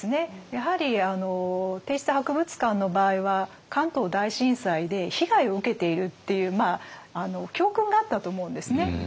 やはり帝室博物館の場合は関東大震災で被害を受けているっていう教訓があったと思うんですね。